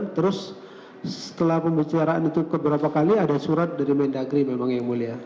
terus setelah pembicaraan itu keberapa kali ada surat dari mendagri memang yang mulia